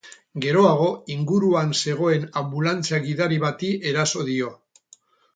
Geroago, inguruan zegoen anbulantzia-gidari bati eraso dio.